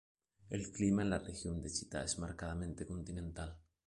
El clima en la región de Chitá es marcadamente continental.